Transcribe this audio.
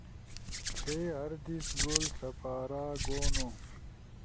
تھئی ہر دیس گول سپارا گونو